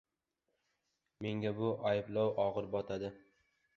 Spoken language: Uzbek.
Menga bu ayblov og‘ir botadi